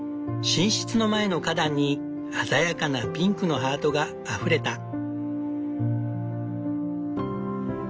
寝室の前の花壇に鮮やかなピンクのハートがあふれた。